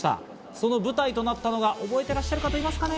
その舞台となったのが覚えてらっしゃる方いますかね？